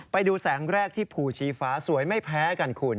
ไปดูแสงแรกที่ภูชีฟ้าสวยไม่แพ้กันคุณ